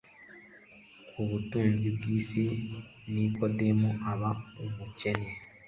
Ku butunzi bw'isi Nikodemu aba umukene,